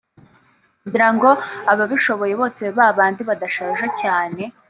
kugirango ababishoboye bose babandi badashaje cyane